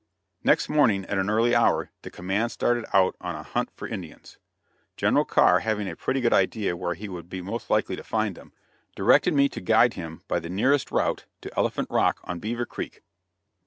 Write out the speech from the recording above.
Next morning at an early hour, the command started out on a hunt for Indians. General Carr having a pretty good idea where he would be most likely to find them, directed me to guide him by the nearest route to Elephant Rock on Beaver Creek.